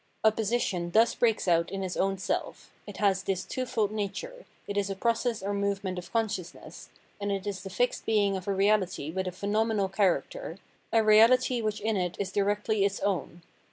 Opposition thus breaks out in his own self ; it has this twofold nature, it is a process or movement of consciousness, and it is the fixed being of a reality with a phenomenal character, a reality which in it is directly its own.